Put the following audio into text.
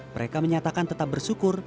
mereka menyatakan tetap bersyukur